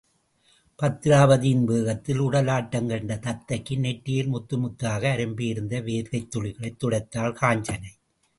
பத்திராபதியின் வேகத்தில் உடலாட்டங் கண்ட தத்தைக்கு நெற்றியில் முத்து முத்தாக அரும்பியிருந்த வேர்வைத் துளிகளைத் துடைத்தாள் காஞ்சனை.